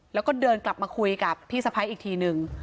แล้วก็เดินกลับมาคุยกับพี่สะพ้ายอีกทีนึง